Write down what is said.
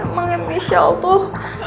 emangnya michelle tuh